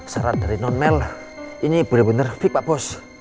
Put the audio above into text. syarat dari non mel ini bener bener fik pak bos